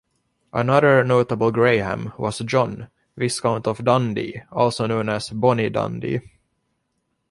Another notable Graham was John, Viscount of Dundee also known as "Bonnie Dundee".